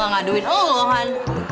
gak ngaduin allah han